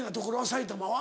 埼玉は？